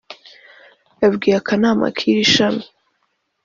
yabwiye Akanama k’iri shami